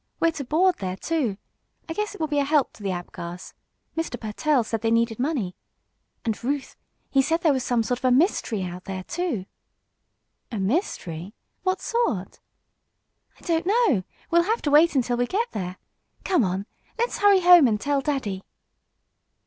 We're to board there, too. I guess it will be a help to the Apgars. Mr. Pertell said they needed money. And, Ruth, he said there was some sort of a mystery out there, too." "A mystery? What sort?" "I don't know. We'll have to wait until we get there. Come on, let's hurry home and tell daddy."